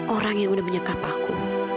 orang yang udah menyekap aku